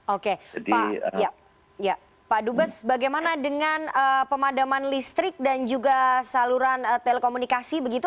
oke pak dubes bagaimana dengan pemadaman listrik dan juga saluran telekomunikasi begitu